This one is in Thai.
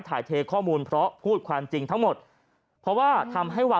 เทข้อมูลเพราะพูดความจริงทั้งหมดเพราะว่าทำให้วา